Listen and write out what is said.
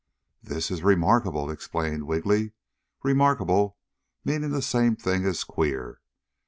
"This is remarkable!" exclaimed Wiggily, "remarkable" meaning the same thing as queer.